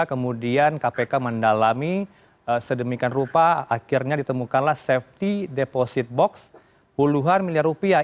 kemudian kpk mendalami sedemikian rupa akhirnya ditemukanlah safety deposit box puluhan miliar rupiah